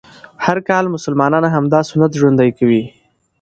هر کال مسلمانان همدا سنت ژوندی کوي